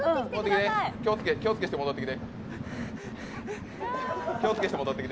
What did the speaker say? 気をつけして戻ってきて。